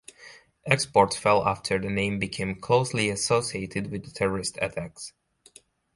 Exports fell after the name became closely associated with terrorist attacks.